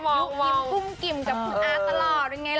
ยุ่คิมกุ้มกิ่มกับคุณอ้าวตลอด